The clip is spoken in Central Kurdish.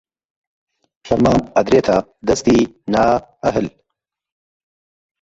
فەرمان ئەدرێتە دەستی نائەهل